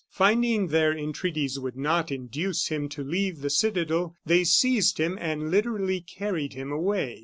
Finding their entreaties would not induce him to leave the citadel, they seized him and literally carried him away.